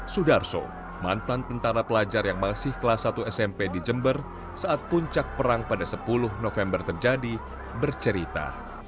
sudarso mantan tentara pelajar yang masih kelas satu smp di jember saat puncak perang pada sepuluh november terjadi bercerita